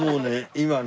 今ね